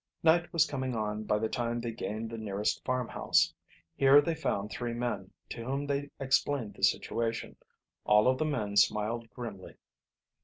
Night was coming on by the time they gained the nearest farmhouse. Here they found three men, to whom they explained the situation. All of the men smiled grimly.